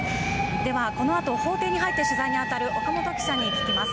ではこのあと法廷に入って取材にあたる岡本記者に聞きます。